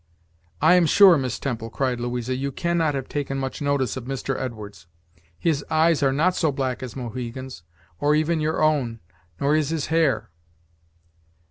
"I am sure, Miss Temple," cried Louisa, "you cannot have taken much notice of Mr. Edwards. His eyes are not so black as Mohegan's or even your own, nor is his hair."